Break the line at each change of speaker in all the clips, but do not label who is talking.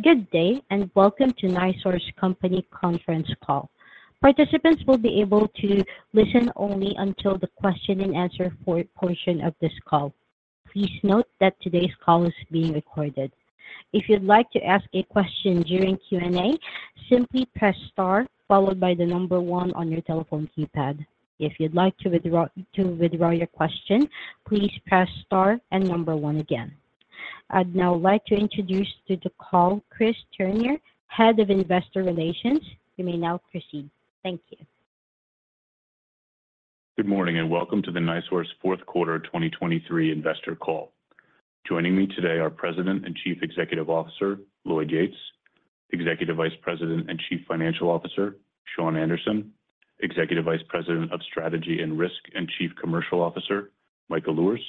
Good day and welcome to NiSource Company conference call. Participants will be able to listen only until the question-and-answer portion of this call. Please note that today's call is being recorded. If you'd like to ask a question during Q&A, simply press star followed by the number 1 on your telephone keypad. If you'd like to withdraw your question, please press star and number 1 again. I'd now like to introduce to the call Chris Turnure, Head of Investor Relations. You may now proceed. Thank you.
Good morning and welcome to the NiSource fourth quarter 2023 investor call. Joining me today are President and Chief Executive Officer Lloyd Yates, Executive Vice President and Chief Financial Officer Shawn Anderson, Executive Vice President of Strategy and Risk and Chief Commercial Officer Michael Luhrs,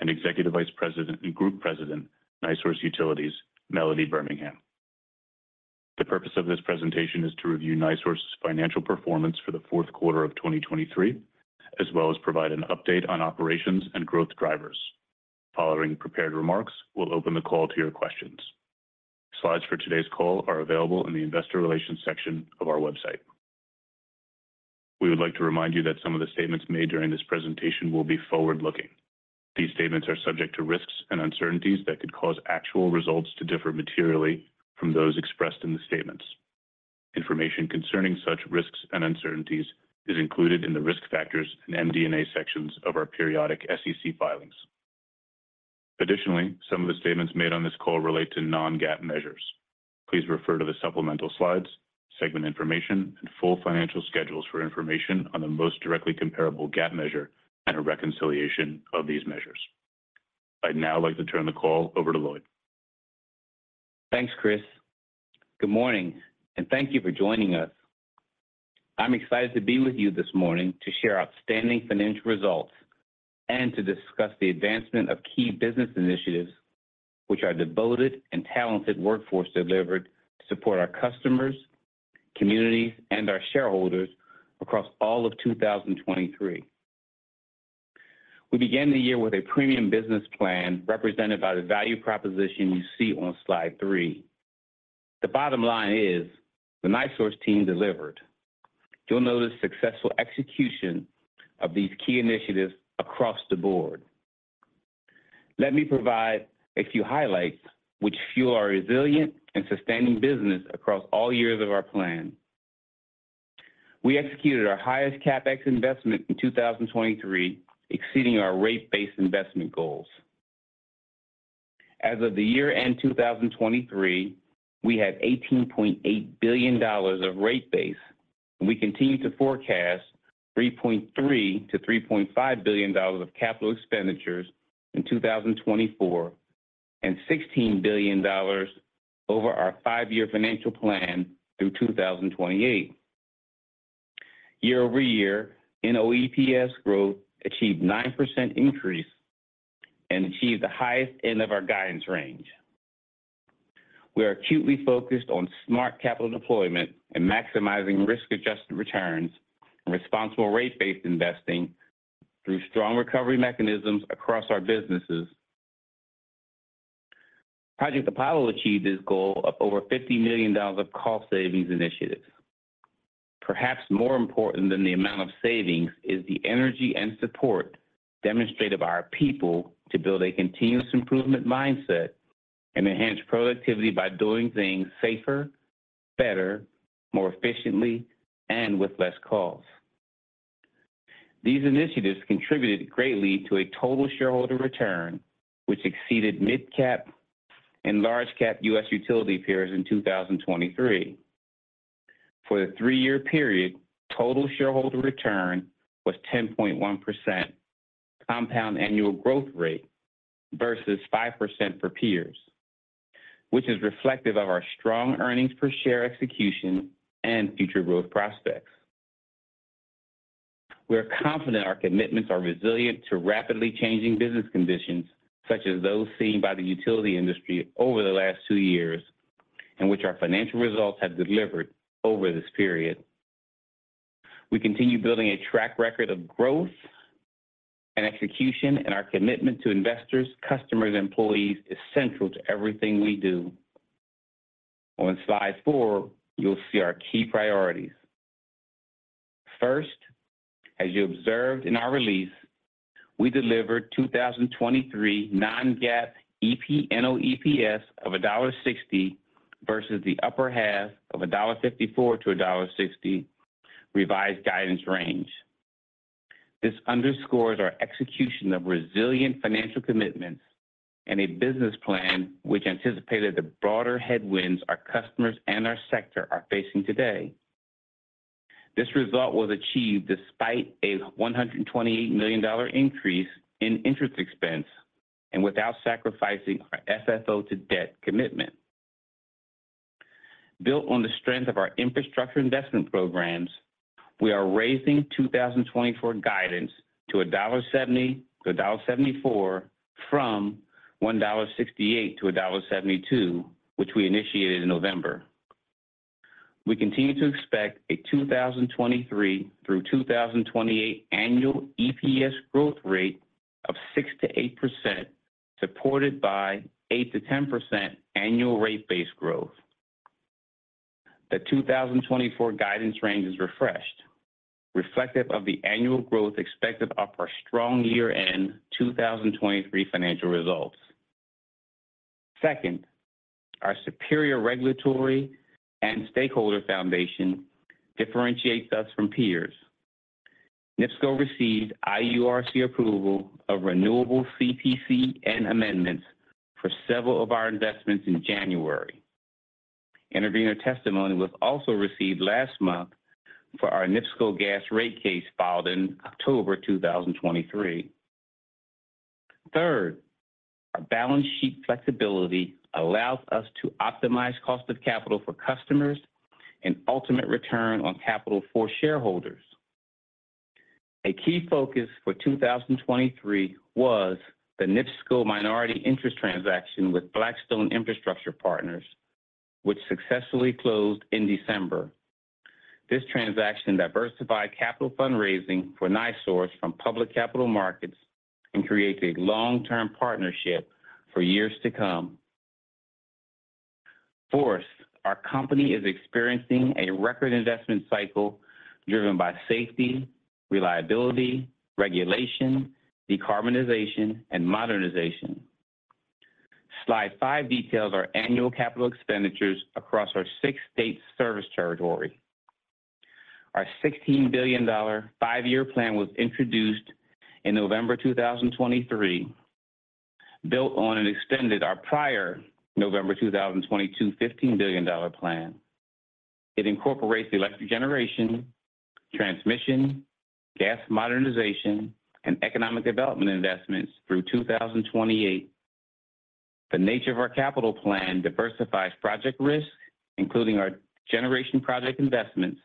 and Executive Vice President and Group President NiSource Utilities Melody Birmingham. The purpose of this presentation is to review NiSource's financial performance for the fourth quarter of 2023, as well as provide an update on operations and growth drivers. Following prepared remarks, we'll open the call to your questions. Slides for today's call are available in the investor relations section of our website. We would like to remind you that some of the statements made during this presentation will be forward-looking. These statements are subject to risks and uncertainties that could cause actual results to differ materially from those expressed in the statements. Information concerning such risks and uncertainties is included in the risk factors and MD&A sections of our periodic SEC filings. Additionally, some of the statements made on this call relate to non-GAAP measures. Please refer to the supplemental slides, segment information, and full financial schedules for information on the most directly comparable GAAP measure and a reconciliation of these measures. I'd now like to turn the call over to Lloyd.
Thanks, Chris. Good morning, and thank you for joining us. I'm excited to be with you this morning to share outstanding financial results and to discuss the advancement of key business initiatives which our devoted and talented workforce delivered to support our customers, communities, and our shareholders across all of 2023. We began the year with a premium business plan represented by the value proposition you see on slide 3. The bottom line is the NiSource team delivered. You'll notice successful execution of these key initiatives across the board. Let me provide a few highlights which fuel our resilient and sustaining business across all years of our plan. We executed our highest CapEx investment in 2023, exceeding our rate base investment goals. As of the year-end 2023, we had $18.8 billion of rate base, and we continue to forecast $3.3 billion-$3.5 billion of capital expenditures in 2024 and $16 billion over our five-year financial plan through 2028. Year-over-year, NOEPS growth achieved 9% increase and achieved the highest end of our guidance range. We are acutely focused on smart capital deployment and maximizing risk-adjusted returns and responsible rate base investing through strong recovery mechanisms across our businesses. Project Apollo achieved this goal of over $50 million of cost savings initiatives. Perhaps more important than the amount of savings is the energy and support demonstrated by our people to build a continuous improvement mindset and enhance productivity by doing things safer, better, more efficiently, and with less costs. These initiatives contributed greatly to a total shareholder return which exceeded mid-cap and large-cap U.S. utility peers in 2023. For the three-year period, total shareholder return was 10.1% compound annual growth rate versus 5% for peers, which is reflective of our strong earnings per share execution and future growth prospects. We are confident our commitments are resilient to rapidly changing business conditions such as those seen by the utility industry over the last two years and which our financial results have delivered over this period. We continue building a track record of growth and execution, and our commitment to investors, customers, and employees is central to everything we do. On Slide 4, you'll see our key priorities. First, as you observed in our release, we delivered 2023 non-GAAP EPS/NOEPS of $1.60 versus the upper half of $1.54-$1.60 revised guidance range. This underscores our execution of resilient financial commitments and a business plan which anticipated the broader headwinds our customers and our sector are facing today. This result was achieved despite a $128 million increase in interest expense and without sacrificing our FFO to debt commitment. Built on the strength of our infrastructure investment programs, we are raising 2024 guidance to $1.70-$1.74 from $1.68-$1.72, which we initiated in November. We continue to expect a 2023 through 2028 annual EPS growth rate of 6%-8% supported by 8%-10% annual rate base growth. The 2024 guidance range is refreshed, reflective of the annual growth expected off our strong year-end 2023 financial results. Second, our superior regulatory and stakeholder foundation differentiates us from peers. NIPSCO received IURC approval of renewable CPCN and amendments for several of our investments in January. Intervenor testimony was also received last month for our NIPSCO gas rate case filed in October 2023. Third, our balance sheet flexibility allows us to optimize cost of capital for customers and ultimate return on capital for shareholders. A key focus for 2023 was the NIPSCO minority interest transaction with Blackstone Infrastructure Partners, which successfully closed in December. This transaction diversified capital fundraising for NiSource from public capital markets and created a long-term partnership for years to come. Fourth, our company is experiencing a record investment cycle driven by safety, reliability, regulation, decarbonization, and modernization. Slide 5 details our annual capital expenditures across our six states' service territory. Our $16 billion five-year plan was introduced in November 2023, built on and extended our prior November 2022 $15 billion plan. It incorporates electric generation, transmission, gas modernization, and economic development investments through 2028. The nature of our capital plan diversifies project risk, including our generation project investments,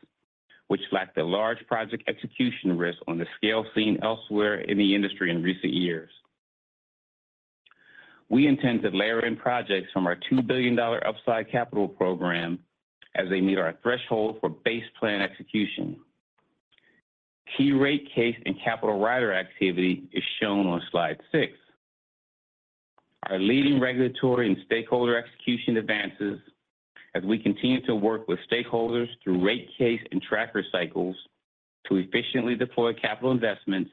which lack the large project execution risk on the scale seen elsewhere in the industry in recent years. We intend to layer in projects from our $2 billion upside capital program as they meet our threshold for base plan execution. Key rate case and capital rider activity is shown on slide 6. Our leading regulatory and stakeholder execution advances as we continue to work with stakeholders through rate case and tracker cycles to efficiently deploy capital investments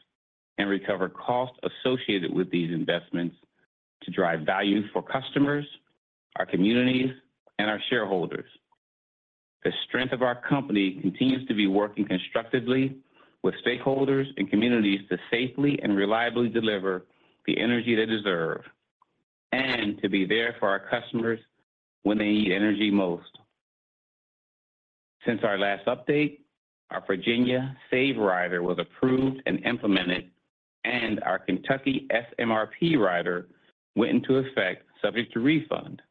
and recover costs associated with these investments to drive value for customers, our communities, and our shareholders. The strength of our company continues to be working constructively with stakeholders and communities to safely and reliably deliver the energy they deserve and to be there for our customers when they need energy most. Since our last update, our Virginia SAVE rider was approved and implemented, and our Kentucky SMRP rider went into effect, subject to refund,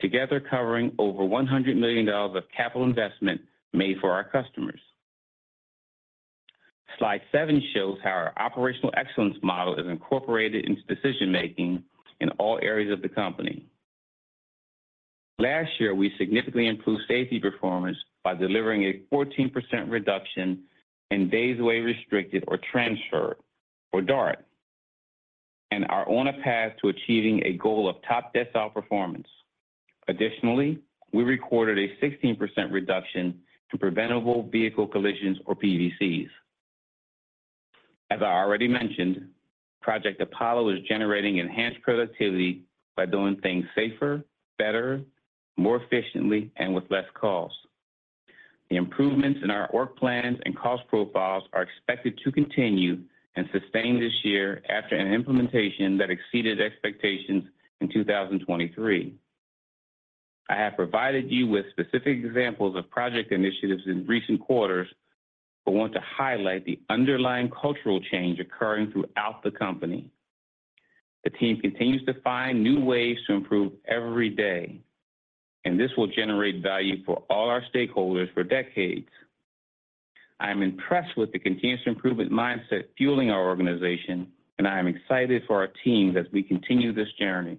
together covering over $100 million of capital investment made for our customers. Slide 7 shows how our operational excellence model is incorporated into decision-making in all areas of the company. Last year, we significantly improved safety performance by delivering a 14% reduction in days away restricted or transferred, or DART, and are on a path to achieving a goal of top decile performance. Additionally, we recorded a 16% reduction in preventable vehicle collisions or PVCs. As I already mentioned, Project Apollo is generating enhanced productivity by doing things safer, better, more efficiently, and with less costs. The improvements in our work plans and cost profiles are expected to continue and sustain this year after an implementation that exceeded expectations in 2023. I have provided you with specific examples of project initiatives in recent quarters but want to highlight the underlying cultural change occurring throughout the company. The team continues to find new ways to improve every day, and this will generate value for all our stakeholders for decades. I am impressed with the continuous improvement mindset fueling our organization, and I am excited for our teams as we continue this journey.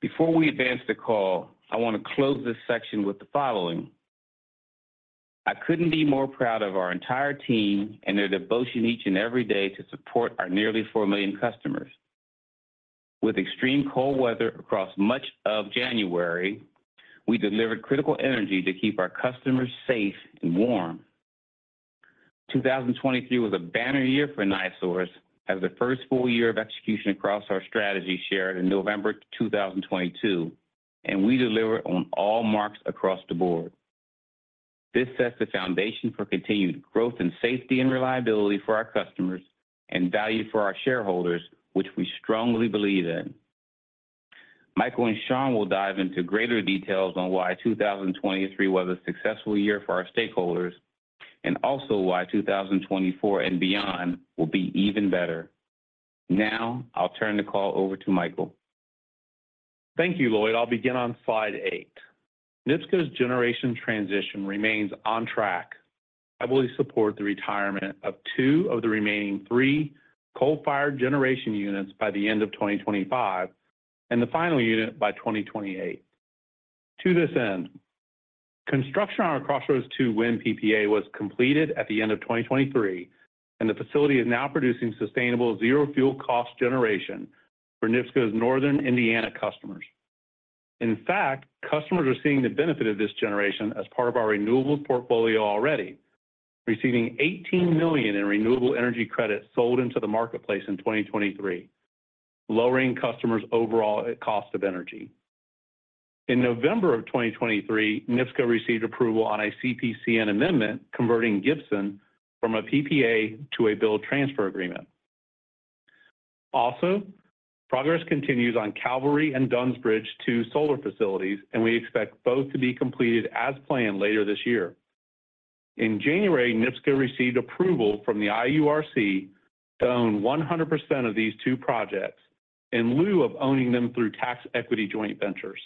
Before we advance the call, I want to close this section with the following. I couldn't be more proud of our entire team and their devotion each and every day to support our nearly 4 million customers. With extreme cold weather across much of January, we delivered critical energy to keep our customers safe and warm. 2023 was a banner year for NiSource as the first full year of execution across our strategy shared in November 2022, and we delivered on all marks across the board. This sets the foundation for continued growth and safety and reliability for our customers and value for our shareholders, which we strongly believe in. Michael and Shawn will dive into greater details on why 2023 was a successful year for our stakeholders and also why 2024 and beyond will be even better. Now I'll turn the call over to Michael.
Thank you, Lloyd. I'll begin on slide 8. NIPSCO's generation transition remains on track. I fully support the retirement of two of the remaining three coal-fired generation units by the end of 2025 and the final unit by 2028. To this end, construction on our Crossroads II wind PPA was completed at the end of 2023, and the facility is now producing sustainable zero-fuel cost generation for NIPSCO's Northern Indiana customers. In fact, customers are seeing the benefit of this generation as part of our renewables portfolio already, receiving $18 million in renewable energy credits sold into the marketplace in 2023, lowering customers' overall cost of energy. In November of 2023, NIPSCO received approval on a CPCN and amendment converting Gibson from a PPA to a build transfer agreement. Also, progress continues on Cavalry and Dunns Bridge II solar facilities, and we expect both to be completed as planned later this year. In January, NIPSCO received approval from the IURC to own 100% of these two projects in lieu of owning them through tax equity joint ventures.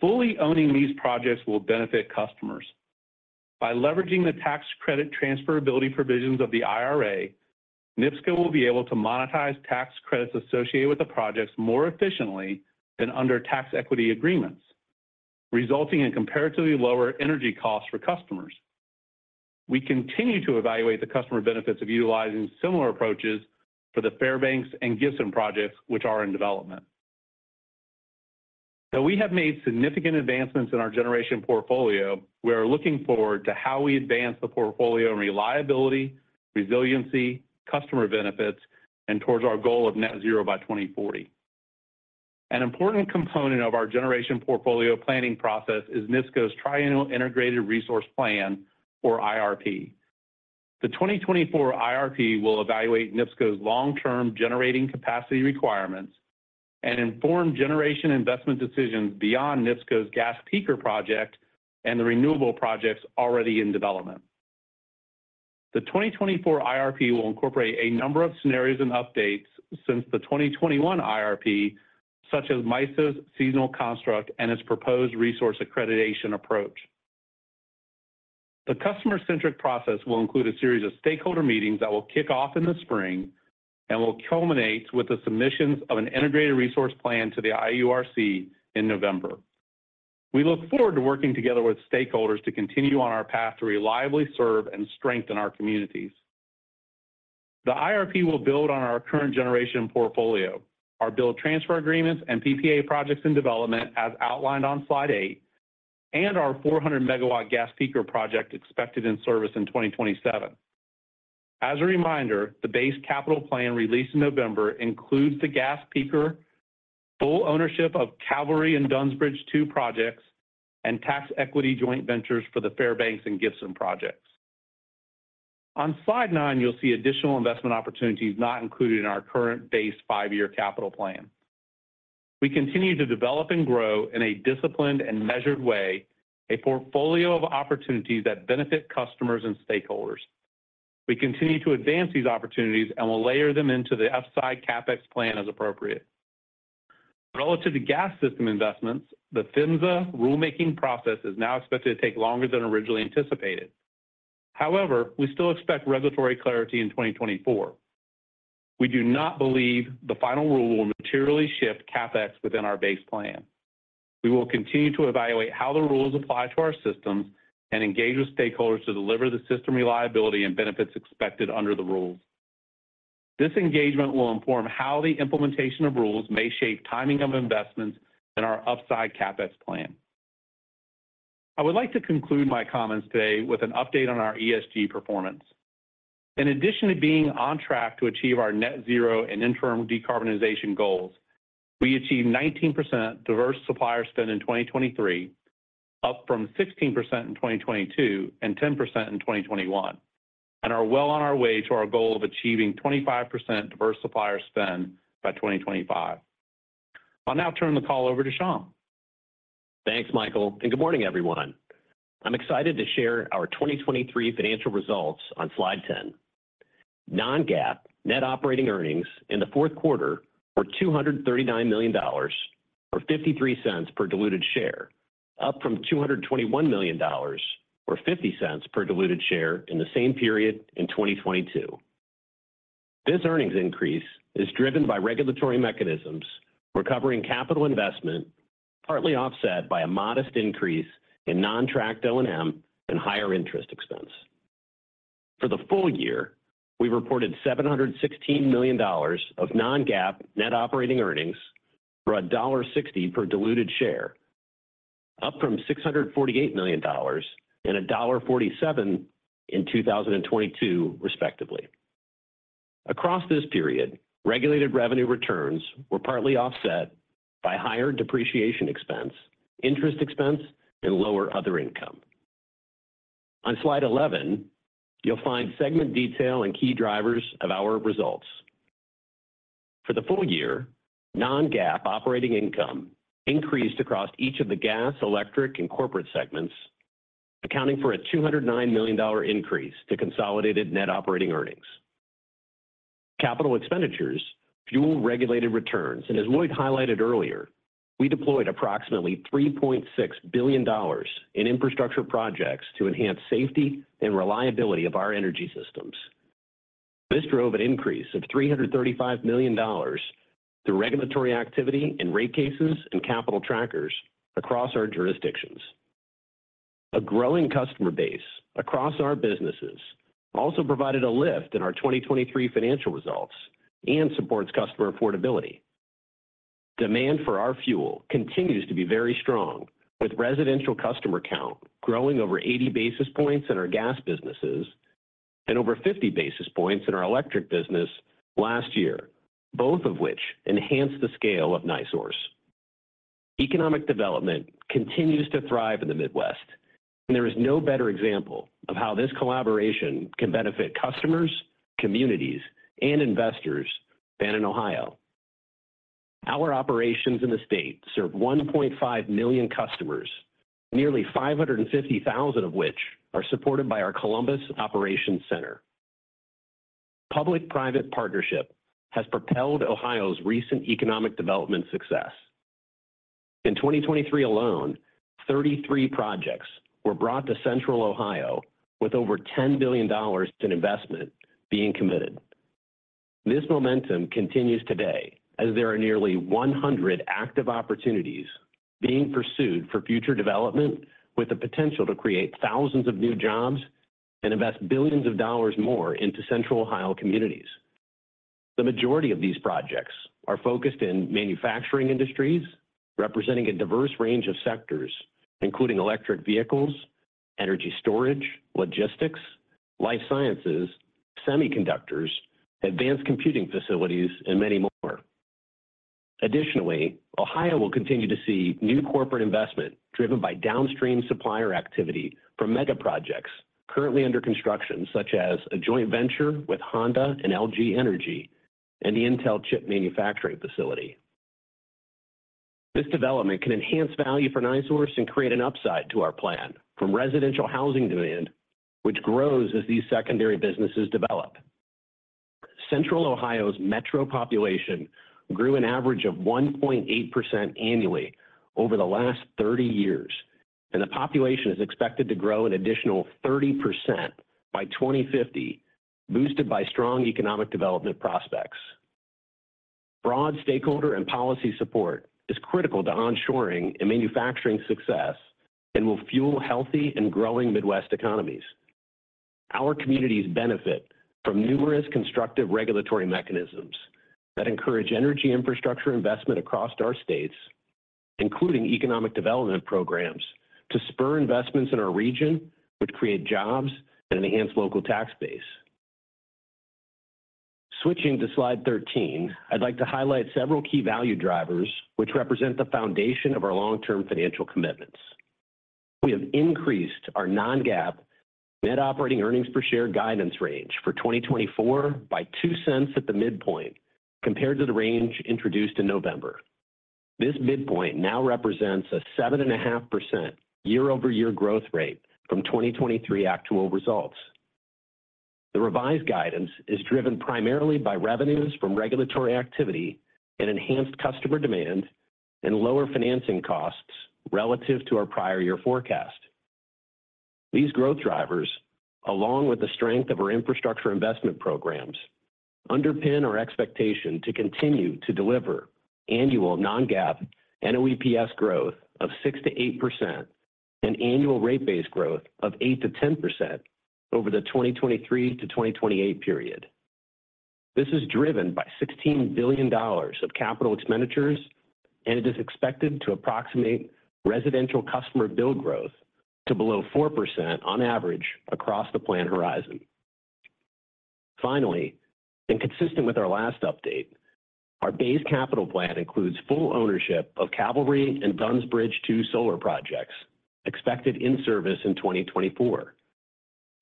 Fully owning these projects will benefit customers. By leveraging the tax credit transferability provisions of the IRA, NIPSCO will be able to monetize tax credits associated with the projects more efficiently than under tax equity agreements, resulting in comparatively lower energy costs for customers. We continue to evaluate the customer benefits of utilizing similar approaches for the Fairbanks and Gibson projects, which are in development. Though we have made significant advancements in our generation portfolio, we are looking forward to how we advance the portfolio in reliability, resiliency, customer benefits, and towards our goal of net zero by 2040. An important component of our generation portfolio planning process is NIPSCO's Triennial Integrated Resource Plan, or IRP. The 2024 IRP will evaluate NIPSCO's long-term generating capacity requirements and inform generation investment decisions beyond NIPSCO's gas peaker project and the renewable projects already in development. The 2024 IRP will incorporate a number of scenarios and updates since the 2021 IRP, such as MISO's seasonal construct and its proposed resource accreditation approach. The customer-centric process will include a series of stakeholder meetings that will kick off in the spring and will culminate with the submissions of an integrated resource plan to the IURC in November. We look forward to working together with stakeholders to continue on our path to reliably serve and strengthen our communities. The IRP will build on our current generation portfolio, our build transfer agreements and PPA projects in development as outlined on slide 8, and our 400 MW gas peaker project expected in service in 2027. As a reminder, the base capital plan released in November includes the gas peaker, full ownership of Cavalry and Dunns Bridge II projects, and tax equity joint ventures for the Fairbanks and Gibson projects. On slide 9, you'll see additional investment opportunities not included in our current base five-year capital plan. We continue to develop and grow in a disciplined and measured way, a portfolio of opportunities that benefit customers and stakeholders. We continue to advance these opportunities and will layer them into the upside CapEx plan as appropriate. Relative to gas system investments, the PHMSA rulemaking process is now expected to take longer than originally anticipated. However, we still expect regulatory clarity in 2024. We do not believe the final rule will materially shift CapEx within our base plan. We will continue to evaluate how the rules apply to our systems and engage with stakeholders to deliver the system reliability and benefits expected under the rules. This engagement will inform how the implementation of rules may shape timing of investments in our upside CapEx plan. I would like to conclude my comments today with an update on our ESG performance. In addition to being on track to achieve our net zero and interim decarbonization goals, we achieved 19% diverse supplier spend in 2023, up from 16% in 2022 and 10% in 2021, and are well on our way to our goal of achieving 25% diverse supplier spend by 2025. I'll now turn the call over to Shawn.
Thanks, Michael, and good morning, everyone. I'm excited to share our 2023 financial results on slide 10. Non-GAAP net operating earnings in the fourth quarter were $239 million or $0.53 per diluted share, up from $221 million or $0.50 per diluted share in the same period in 2022. This earnings increase is driven by regulatory mechanisms recovering capital investment, partly offset by a modest increase in non-tracked O&M and higher interest expense. For the full year, we reported $716 million of Non-GAAP net operating earnings or $1.60 per diluted share, up from $648 million and $1.47 in 2022, respectively. Across this period, regulated revenue returns were partly offset by higher depreciation expense, interest expense, and lower other income. On slide 11, you'll find segment detail and key drivers of our results. For the full year, non-GAAP operating income increased across each of the gas, electric, and corporate segments, accounting for a $209 million increase to consolidated net operating earnings. Capital expenditures fueled regulated returns, and as Lloyd highlighted earlier, we deployed approximately $3.6 billion in infrastructure projects to enhance safety and reliability of our energy systems. This drove an increase of $335 million through regulatory activity in rate cases and capital trackers across our jurisdictions. A growing customer base across our businesses also provided a lift in our 2023 financial results and supports customer affordability. Demand for our fuel continues to be very strong, with residential customer count growing over 80 basis points in our gas businesses and over 50 basis points in our electric business last year, both of which enhanced the scale of NiSource. Economic development continues to thrive in the Midwest, and there is no better example of how this collaboration can benefit customers, communities, and investors than in Ohio. Our operations in the state serve 1.5 million customers, nearly 550,000 of which are supported by our Columbus Operations Center. Public-private partnership has propelled Ohio's recent economic development success. In 2023 alone, 33 projects were brought to Central Ohio, with over $10 billion in investment being committed. This momentum continues today as there are nearly 100 active opportunities being pursued for future development with the potential to create thousands of new jobs and invest billions of dollars more into Central Ohio communities. The majority of these projects are focused in manufacturing industries, representing a diverse range of sectors, including electric vehicles, energy storage, logistics, life sciences, semiconductors, advanced computing facilities, and many more. Additionally, Ohio will continue to see new corporate investment driven by downstream supplier activity from mega projects currently under construction, such as a joint venture with Honda and LG Energy and the Intel chip manufacturing facility. This development can enhance value for NiSource and create an upside to our plan from residential housing demand, which grows as these secondary businesses develop. Central Ohio's metro population grew an average of 1.8% annually over the last 30 years, and the population is expected to grow an additional 30% by 2050, boosted by strong economic development prospects. Broad stakeholder and policy support is critical to onshoring and manufacturing success and will fuel healthy and growing Midwest economies. Our communities benefit from numerous constructive regulatory mechanisms that encourage energy infrastructure investment across our states, including economic development programs, to spur investments in our region, which create jobs and enhance local tax base. Switching to slide 13, I'd like to highlight several key value drivers which represent the foundation of our long-term financial commitments. We have increased our non-GAAP net operating earnings per share guidance range for 2024 by $0.02 at the midpoint compared to the range introduced in November. This midpoint now represents a 7.5% year-over-year growth rate from 2023 actual results. The revised guidance is driven primarily by revenues from regulatory activity and enhanced customer demand and lower financing costs relative to our prior year forecast. These growth drivers, along with the strength of our infrastructure investment programs, underpin our expectation to continue to deliver annual non-GAAP NOEPS growth of 6%-8% and annual rate base growth of 8%-10% over the 2023 to 2028 period. This is driven by $16 billion of capital expenditures, and it is expected to approximate residential customer bill growth to below 4% on average across the plan horizon. Finally, and consistent with our last update, our base capital plan includes full ownership of Cavalry and Dunns Bridge II solar projects, expected in service in 2024.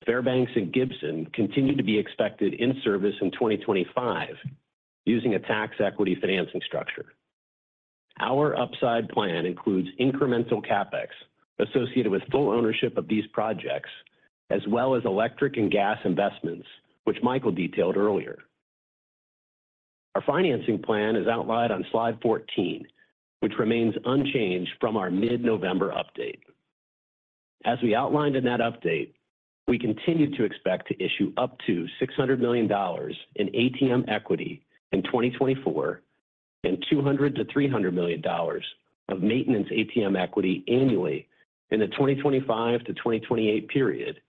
Fairbanks and Gibson continue to be expected in service in 2025 using a tax equity financing structure. Our upside plan includes incremental CapEx associated with full ownership of these projects, as well as electric and gas investments, which Michael detailed earlier. Our financing plan is outlined on slide 14, which remains unchanged from our mid-November update. As we outlined in that update, we continue to expect to issue up to $600 million in ATM equity in 2024 and $200 milllion-$300 million of maintenance ATM equity annually in the 2025-2028 period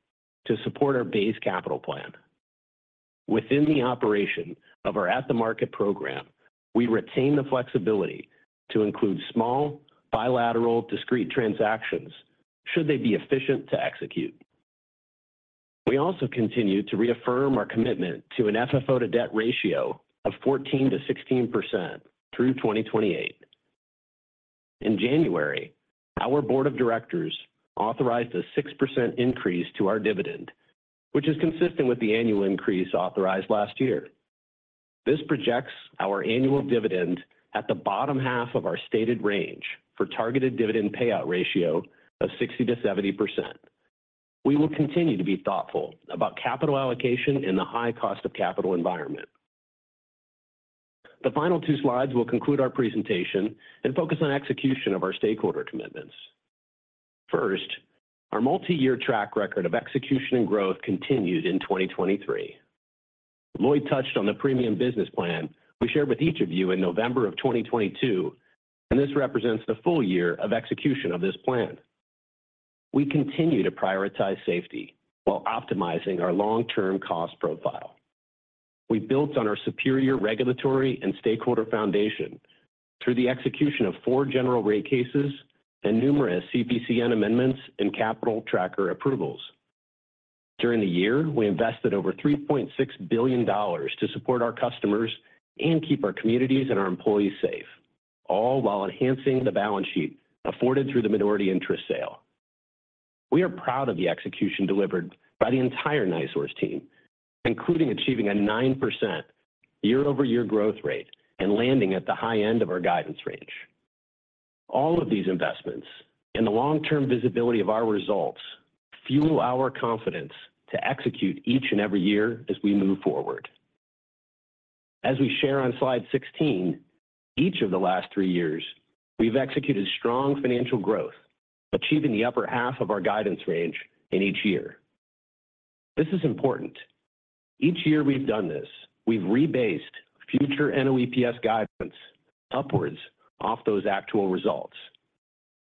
to support our base capital plan. Within the operation of our at-the-market program, we retain the flexibility to include small bilateral discrete transactions should they be efficient to execute. We also continue to reaffirm our commitment to an FFO-to-debt ratio of 14%-16% through 2028. In January, our board of directors authorized a 6% increase to our dividend, which is consistent with the annual increase authorized last year. This projects our annual dividend at the bottom half of our stated range for targeted dividend payout ratio of 60%-70%. We will continue to be thoughtful about capital allocation and the high cost of capital environment. The final two slides will conclude our presentation and focus on execution of our stakeholder commitments. First, our multi-year track record of execution and growth continued in 2023. Lloyd touched on the premium business plan we shared with each of you in November of 2022, and this represents the full year of execution of this plan. We continue to prioritize safety while optimizing our long-term cost profile. We built on our superior regulatory and stakeholder foundation through the execution of four general rate cases and numerous CPCN amendments and capital tracker approvals. During the year, we invested over $3.6 billion to support our customers and keep our communities and our employees safe, all while enhancing the balance sheet afforded through the minority interest sale. We are proud of the execution delivered by the entire NiSource team, including achieving a 9% year-over-year growth rate and landing at the high end of our guidance range. All of these investments and the long-term visibility of our results fuel our confidence to execute each and every year as we move forward. As we share on slide 16, each of the last three years, we've executed strong financial growth, achieving the upper half of our guidance range in each year. This is important. Each year we've done this, we've rebased future NOEPS guidance upwards off those actual results.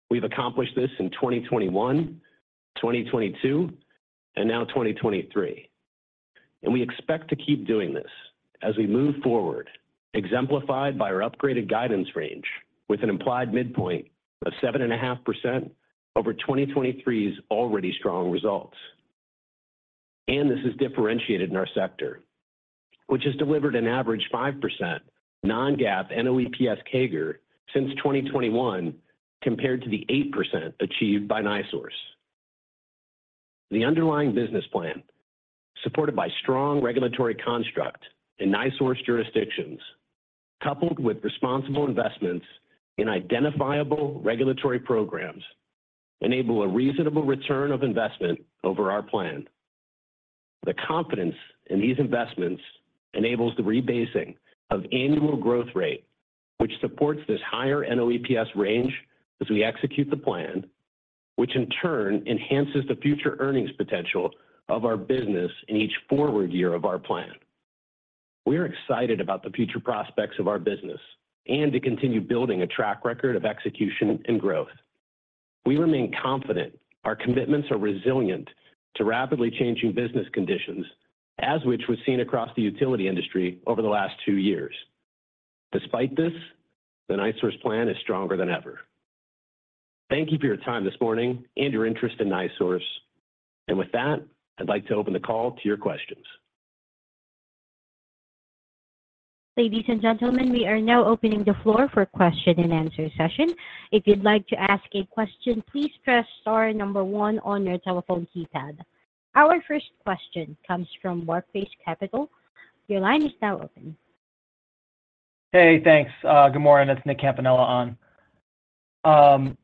We've accomplished this in 2021, 2022, and now 2023, and we expect to keep doing this as we move forward, exemplified by our upgraded guidance range with an implied midpoint of 7.5% over 2023's already strong results. This is differentiated in our sector, which has delivered an average 5% non-GAAP NOEPS CAGR since 2021 compared to the 8% achieved by NiSource. The underlying business plan, supported by strong regulatory construct in NiSource jurisdictions, coupled with responsible investments in identifiable regulatory programs, enables a reasonable return of investment over our plan. The confidence in these investments enables the rebasing of annual growth rate, which supports this higher NOEPS range as we execute the plan, which in turn enhances the future earnings potential of our business in each forward year of our plan. We are excited about the future prospects of our business and to continue building a track record of execution and growth. We remain confident our commitments are resilient to rapidly changing business conditions, as which was seen across the utility industry over the last two years. Despite this, the NiSource plan is stronger than ever. Thank you for your time this morning and your interest in NiSource. With that, I'd like to open the call to your questions.
Ladies and gentlemen, we are now opening the floor for a question-and-answer session. If you'd like to ask a question, please press star number one on your telephone keypad. Our first question comes from Barclays Capital. Your line is now open.
Hey, thanks. Good morning. It's Nick Campanella on.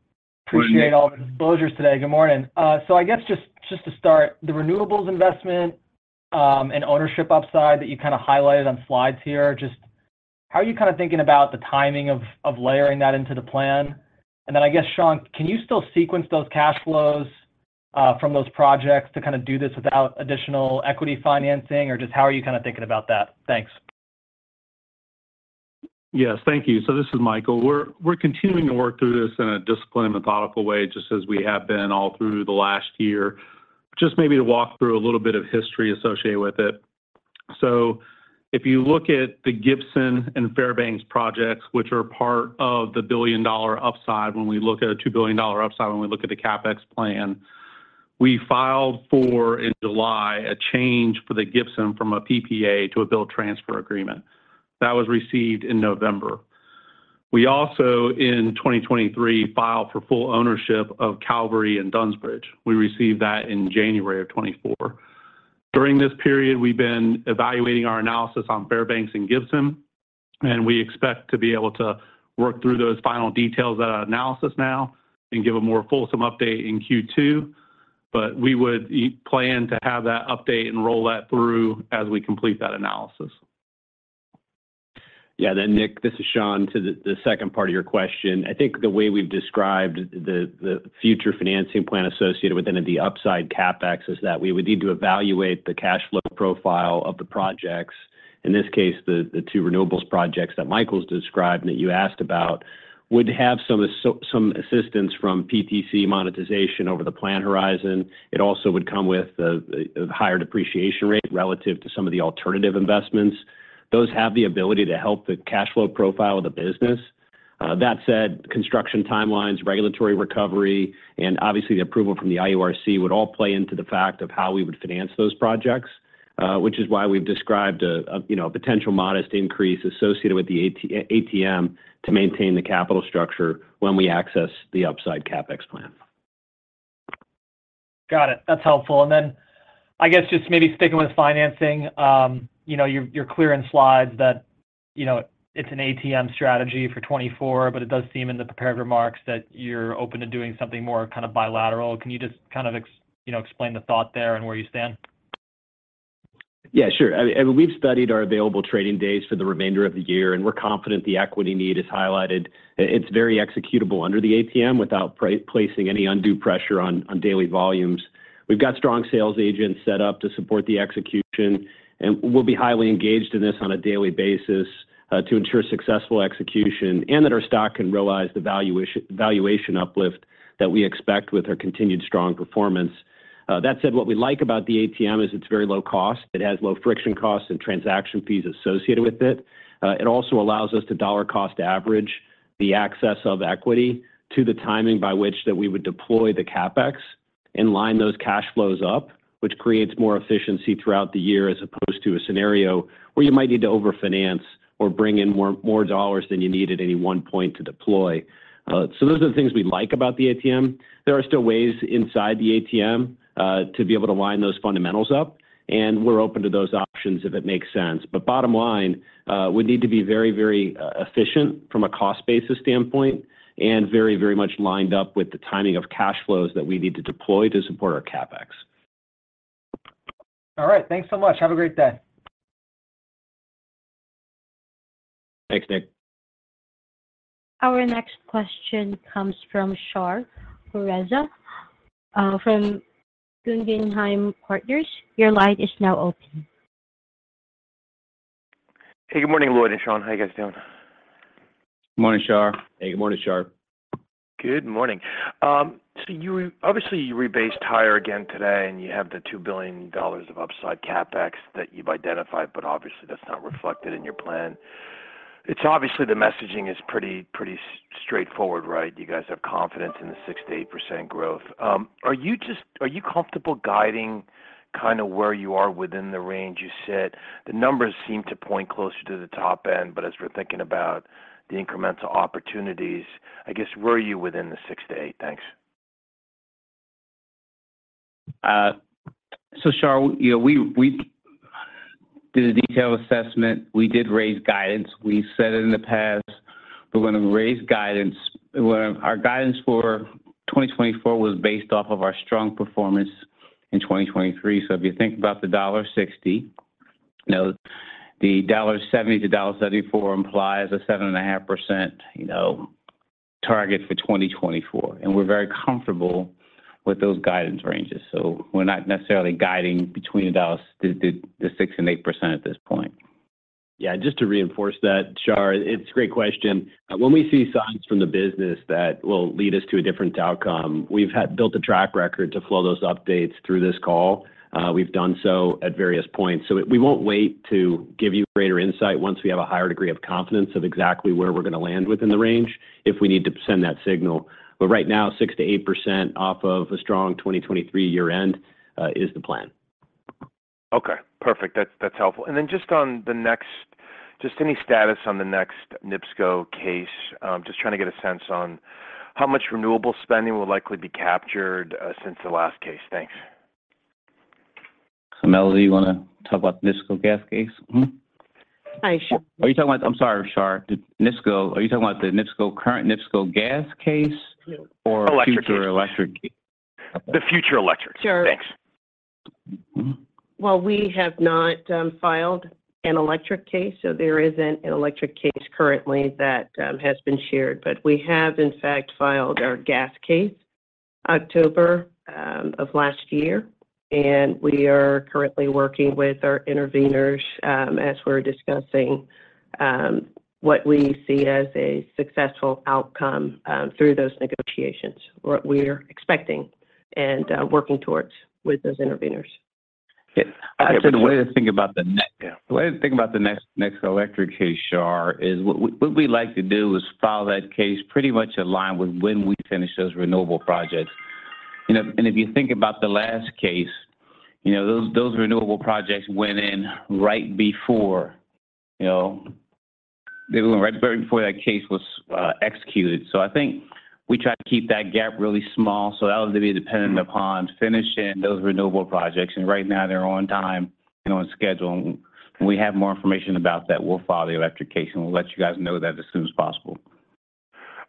Appreciate all the disclosures today. Good morning. So I guess just to start, the renewables investment and ownership upside that you kind of highlighted on slides here, just how are you kind of thinking about the timing of layering that into the plan? And then I guess, Shawn, can you still sequence those cash flows from those projects to kind of do this without additional equity financing, or just how are you kind of thinking about that? Thanks.
Yes, thank you. So this is Michael. We're continuing to work through this in a disciplined and methodical way, just as we have been all through the last year, just maybe to walk through a little bit of history associated with it. So if you look at the Gibson and Fairbanks projects, which are part of the billion-dollar upside when we look at a $2 billion upside when we look at the CapEx plan, we filed for in July a change for the Gibson from a PPA to a build transfer agreement. That was received in November. We also, in 2023, filed for full ownership of Cavalry and Dunns Bridge. We received that in January of 2024. During this period, we've been evaluating our analysis on Fairbanks and Gibson, and we expect to be able to work through those final details of that analysis now and give a more fulsome update in Q2. But we would plan to have that update and roll that through as we complete that analysis.
Yeah, then Nick, this is Shawn to the second part of your question. I think the way we've described the future financing plan associated with any of the upside CapEx is that we would need to evaluate the cash flow profile of the projects. In this case, the two renewables projects that Michael's described and that you asked about would have some assistance from PTC monetization over the plan horizon. It also would come with a higher depreciation rate relative to some of the alternative investments. Those have the ability to help the cash flow profile of the business. That said, construction timelines, regulatory recovery, and obviously the approval from the IURC would all play into the fact of how we would finance those projects, which is why we've described a potential modest increase associated with the ATM to maintain the capital structure when we access the upside CapEx plan. Got it. That's helpful. And then I guess just maybe sticking with financing, you're clear in slides that it's an ATM strategy for 2024, but it does seem in the prepared remarks that you're open to doing something more kind of bilateral. Can you just kind of explain the thought there and where you stand? Yeah, sure. I mean, we've studied our available trading days for the remainder of the year, and we're confident the equity need is highlighted. It's very executable under the ATM without placing any undue pressure on daily volumes. We've got strong sales agents set up to support the execution, and we'll be highly engaged in this on a daily basis to ensure successful execution and that our stock can realize the valuation uplift that we expect with our continued strong performance. That said, what we like about the ATM is it's very low cost. It has low friction costs and transaction fees associated with it. It also allows us to dollar cost average the access of equity to the timing by which that we would deploy the CapEx and line those cash flows up, which creates more efficiency throughout the year as opposed to a scenario where you might need to overfinance or bring in more dollars than you need at any one point to deploy. So those are the things we like about the ATM. There are still ways inside the ATM to be able to line those fundamentals up, and we're open to those options if it makes sense. But bottom line, we'd need to be very, very efficient from a cost basis standpoint and very, very much lined up with the timing of cash flows that we need to deploy to support our CapEx.
All right. Thanks so much. Have a great day.
Thanks, Nick.
Our next question comes from Shar Pourreza from Guggenheim Partners. Your line is now open.
Hey, good morning, Lloyd and Shawn. How you guys doing? Good morning, Shar. Hey, good morning, Shar. Good morning. So obviously, you rebased higher again today, and you have the $2 billion of upside CapEx that you've identified, but obviously, that's not reflected in your plan. It's obviously the messaging is pretty straightforward, right? You guys have confidence in the 6%-8% growth. Are you comfortable guiding kind of where you are within the range you sit? The numbers seem to point closer to the top end, but as we're thinking about the incremental opportunities, I guess, where are you within the 6%-8%?
Thanks. So Shar, we did a detailed assessment. We did raise guidance. We said it in the past. We're going to raise guidance. Our guidance for 2024 was based off of our strong performance in 2023. So if you think about the $1.60, the $1.70-$1.74 implies a 7.5% target for 2024, and we're very comfortable with those guidance ranges. So we're not necessarily guiding between the 6%-8% at this point.
Yeah, just to reinforce that, Shar, it's a great question. When we see signs from the business that will lead us to a different outcome, we've built a track record to flow those updates through this call. We've done so at various points. So we won't wait to give you greater insight once we have a higher degree of confidence of exactly where we're going to land within the range if we need to send that signal. But right now, 6%-8% off of a strong 2023 year-end is the plan.
Okay. Perfect. That's helpful. And then on the next any status on the next NIPSCO case, just trying to get a sense on how much renewable spending will likely be captured since the last case. Thanks.
So Melody, you want to talk about the NIPSCO gas case? Hi, Shawn. Are you talking about? I'm sorry, Shar. NIPSCO, are you talking about the current NIPSCO gas case or future electric?
The future electric. Sure. Thanks.
Well, we have not filed an electric case, so there isn't an electric case currently that has been shared. But we have, in fact, filed our gas case October of last year, and we are currently working with our intervenors as we're discussing what we see as a successful outcome through those negotiations, what we're expecting and working towards with those intervenors.
Yeah. I guess the way to think about the next electric case, Shar, is what we'd like to do is file that case pretty much in line with when we finish those renewable projects. And if you think about the last case, those renewable projects went in right before that case was executed. So I think we try to keep that gap really small so that'll be dependent upon finishing those renewable projects. And right now, they're on time and schedule. And when we have more information about that, we'll file the electric case, and we'll let you guys know that as soon as possible.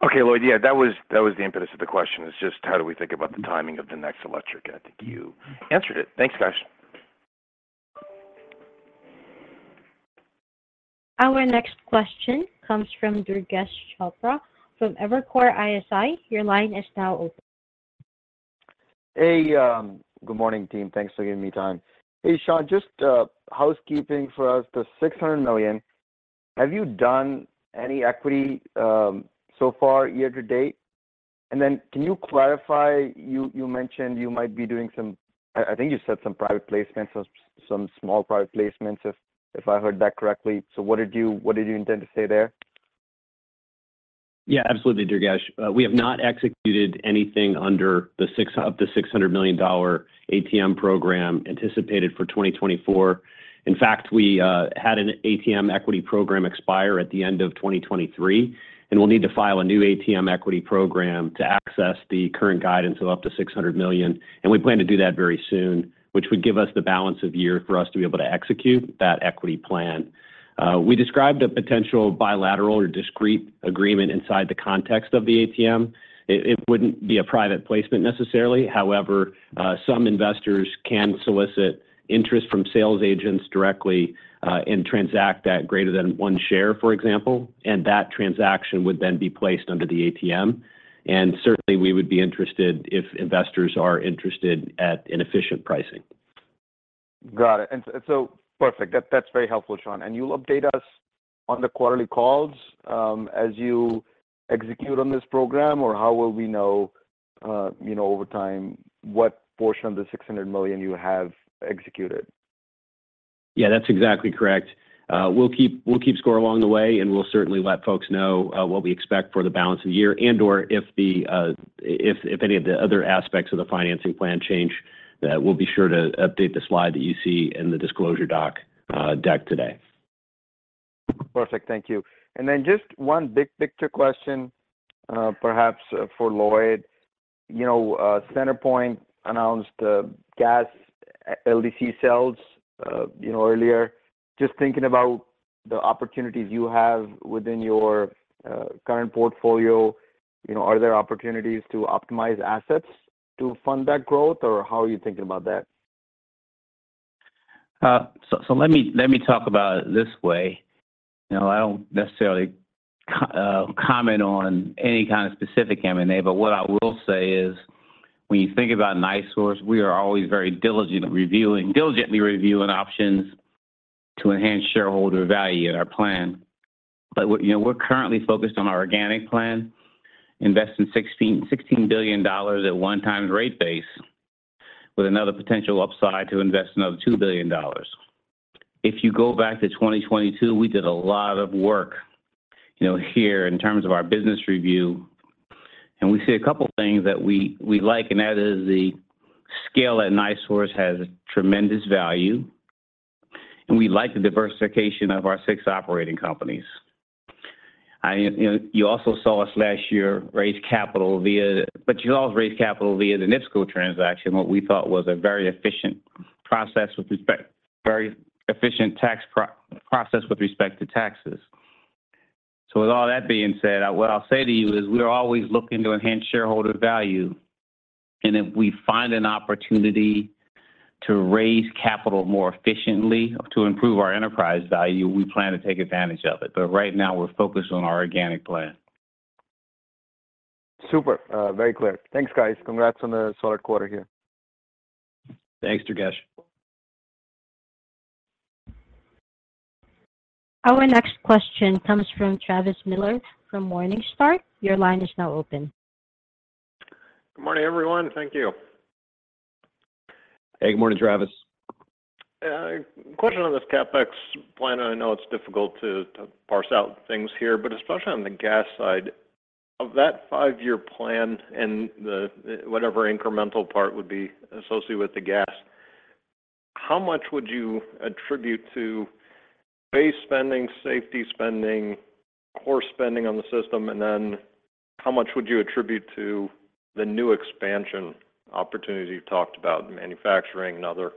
Okay, Lloyd. Yeah, that was the impetus of the question, is just how do we think about the timing of the next electric. I think you answered it. Thanks, guys.
Our next question comes from Durgesh Chopra from Evercore ISI. Your line is now open.
Good morning, team. Thanks for giving me time. Hey, Shawn, just housekeeping for us. The $600 million, have you done any equity so far year to date? And then can you clarify? You mentioned you might be doing some I think you said some private placements, some small private placements, if I heard that correctly. So what did you intend to say there?
Yeah, absolutely, Durgesh. We have not executed anything under the $600 million ATM program anticipated for 2024. In fact, we had an ATM equity program expire at the end of 2023, and we'll need to file a new ATM equity program to access the current guidance of up to $600 million. And we plan to do that very soon, which would give us the balance of year for us to be able to execute that equity plan. We described a potential bilateral or discrete agreement inside the context of the ATM. It wouldn't be a private placement necessarily. However, some investors can solicit interest from sales agents directly and transact at greater than one share, for example, and that transaction would then be placed under the ATM. And certainly, we would be interested if investors are interested in efficient pricing.
Got it. And so perfect. That's very helpful, Shawn. And you'll update us on the quarterly calls as you execute on this program, or how will we know over time what portion of the $600 million you have executed?
Yeah, that's exactly correct. We'll keep score along the way, and we'll certainly let folks know what we expect for the balance of year and/or if any of the other aspects of the financing plan change. We'll be sure to update the slide that you see in the disclosure deck today.
Perfect. Thank you. And then just one big picture question, perhaps, for Lloyd. CenterPoint announced gas LDC sales earlier. Just thinking about the opportunities you have within your current portfolio, are there opportunities to optimize assets to fund that growth, or how are you thinking about that?
So let me talk about it this way. I don't necessarily comment on any kind of specific M&A, but what I will say is when you think about NiSource, we are always very diligently reviewing options to enhance shareholder value in our plan. But we're currently focused on our organic plan, investing $16 billion at one-time rate base with another potential upside to invest another $2 billion. If you go back to 2022, we did a lot of work here in terms of our business review, and we see a couple of things that we like, and that is the scale that NiSource has tremendous value, and we like the diversification of our six operating companies. You also saw us last year raise capital via the NIPSCO transaction, what we thought was a very efficient tax process with respect to taxes. So with all that being said, what I'll say to you is we're always looking to enhance shareholder value, and if we find an opportunity to raise capital more efficiently to improve our enterprise value, we plan to take advantage of it. But right now, we're focused on our organic plan.
Super. Very clear. Thanks, guys. Congrats on the solid quarter here.
Thanks, Durgesh.
Our next question comes from Travis Miller from Morningstar. Your line is now open.
Good morning, everyone. Thank you. Hey, good morning, Travis. Question on this CapEx plan. I know it's difficult to parse out things here, but especially on the gas side. Of that five-year plan and whatever incremental part would be associated with the gas, how much would you attribute to base spending, safety spending, core spending on the system, and then how much would you attribute to the new expansion opportunity you've talked about, manufacturing and other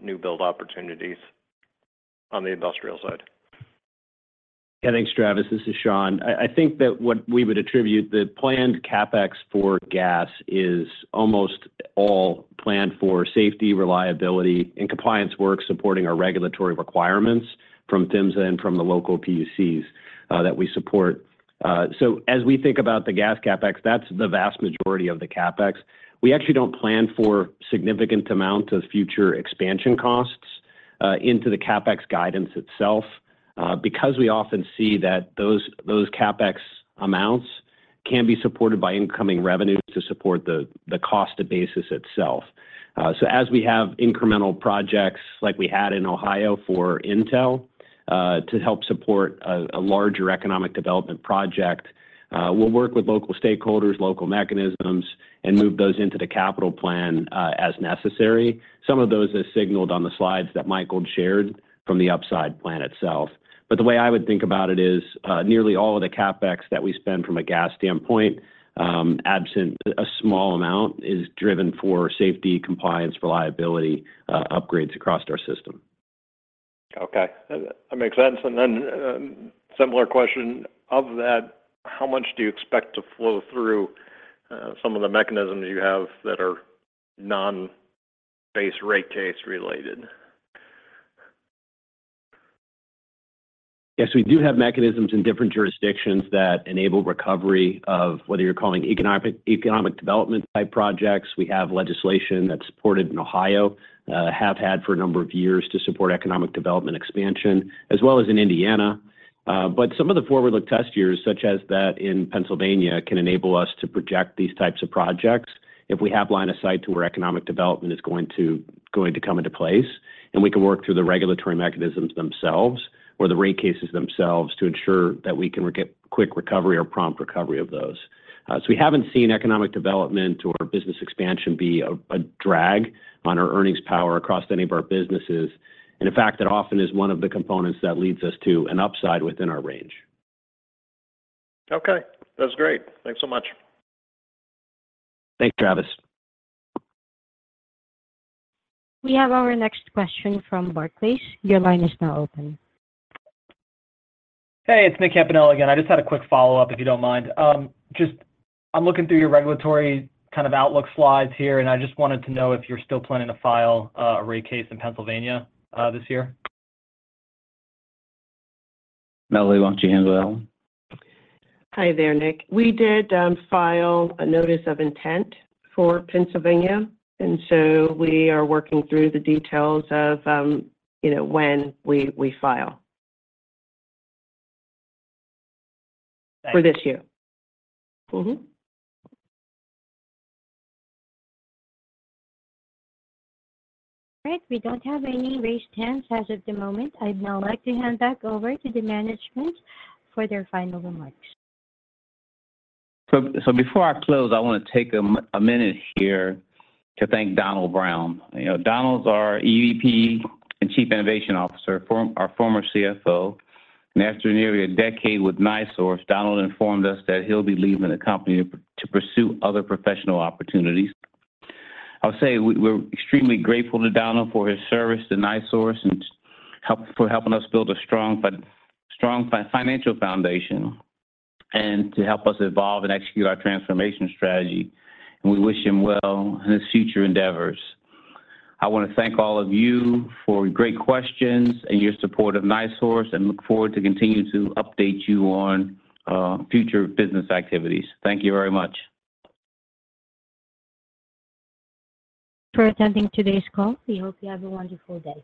new build opportunities on the industrial side?
Yeah, thanks, Travis. This is Shawn. I think that what we would attribute the planned CapEx for gas is almost all planned for safety, reliability, and compliance work supporting our regulatory requirements from PHMSA and from the local PUCs that we support. So as we think about the gas CapEx, that's the vast majority of the CapEx. We actually don't plan for significant amounts of future expansion costs into the CapEx guidance itself because we often see that those CapEx amounts can be supported by incoming revenues to support the cost of gas itself. So as we have incremental projects like we had in Ohio for Intel to help support a larger economic development project, we'll work with local stakeholders, local mechanisms, and move those into the capital plan as necessary. Some of those are signaled on the slides that Michael shared from the upside plan itself. But the way I would think about it is nearly all of the CapEx that we spend from a gas standpoint, absent a small amount, is driven for safety, compliance, reliability upgrades across our system.
Okay. That makes sense. And then similar question of that, how much do you expect to flow through some of the mechanisms you have that are non-base rate case related?
Yes, we do have mechanisms in different jurisdictions that enable recovery of whether you're calling it economic development-type projects. We have legislation that's supported in Ohio, have had for a number of years to support economic development expansion, as well as in Indiana. But some of the forward-looking test years, such as that in Pennsylvania, can enable us to project these types of projects if we have line of sight to where economic development is going to come into place, and we can work through the regulatory mechanisms themselves or the rate cases themselves to ensure that we can get quick recovery or prompt recovery of those. So we haven't seen economic development or business expansion be a drag on our earnings power across any of our businesses. And in fact, that often is one of the components that leads us to an upside within our range.
Okay. That's great. Thanks so much.
Thanks, Travis. We have our next question from Barclays. Your line is now open.
Hey, it's Nick Campanella again. I just had a quick follow-up, if you don't mind. I'm looking through your regulatory kind of outlook slides here, and I just wanted to know if you're still planning to file a rate case in Pennsylvania this year.
Melody, why don't you handle that one?
Hi there, Nick. We did file a notice of intent for Pennsylvania, and so we are working through the details of when we file for this year.
All right. We don't have any raised hands as of the moment. I'd now like to hand back over to the management for their final remarks.
So before I close, I want to take a minute here to thank Donald Brown. Donald's our EVP and Chief Innovation Officer, our former CFO. And after nearly a decade with NiSource, Donald informed us that he'll be leaving the company to pursue other professional opportunities. I'll say we're extremely grateful to Donald for his service to NiSource and for helping us build a strong financial foundation and to help us evolve and execute our transformation strategy. We wish him well in his future endeavors. I want to thank all of you for great questions and your support of NiSource and look forward to continuing to update you on future business activities. Thank you very much.
Thanks for attending today's call. We hope you have a wonderful day. Good.